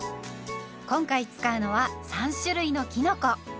今回使うのは３種類のきのこ。